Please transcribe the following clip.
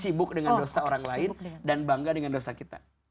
sibuk dengan dosa orang lain dan bangga dengan dosa kita